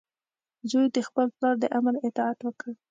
زوی د خپل پلار د امر اطاعت وکړ.